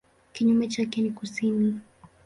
Kinyume chake ni kusini.